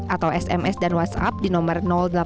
atau sms dan whatsapp di nomor delapan